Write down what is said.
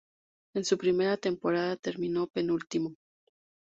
En su primera temporada, terminó penúltimo.